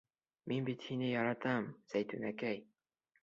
Мин бит һине яратам, Зәйтүнәкәй.